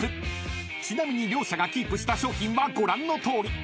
［ちなみに両者がキープした商品はご覧のとおり］